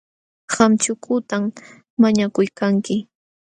Qam chukutam mañakuykanki.,